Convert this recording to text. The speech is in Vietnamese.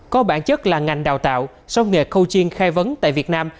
có bản chất là ngành đào tạo sông nghề khâu chiên khai vấn tại việt nam